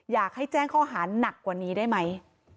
อยากให้แจ้งข้อหาหนักกว่านี้ได้ไหม